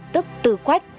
tức tư quách